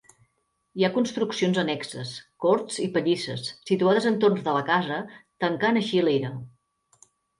Hi ha construccions annexes, corts i pallisses, situades entorn de la casa, tancant així l'era.